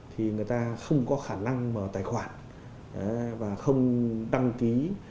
thì người ta không có khả năng mở tài khoản và không đăng ký